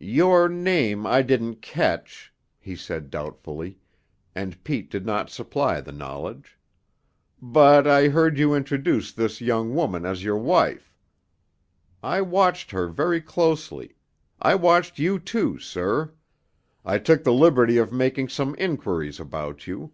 "Your name I didn't catch," he said doubtfully, and Pete did not supply the knowledge, "but I heard you introduce this young woman as your wife. I watched her very closely; I watched you, too, sir; I took the liberty of making some inquiries about you.